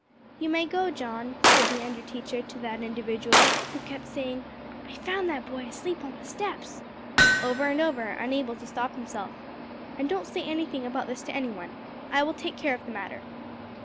"You may go, John," said the under teacher to that individual, who kept saying, "I found that boy asleep on the steps," over and over, unable to stop himself. "And don't say anything about this to any one. I will take care of the matter."